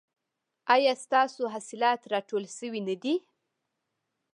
ایا ستاسو حاصلات راټول شوي نه دي؟